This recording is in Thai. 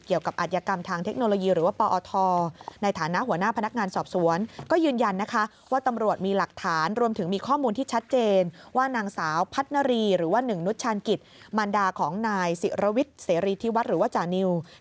เกี่ยวกับอัตยกรรมทางเทคโนโลยีหรือว่าปอทในฐานะหัวหน้าพนักงานสอบสวน